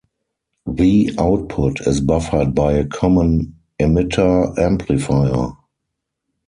The output is buffered by a common emitter amplifier.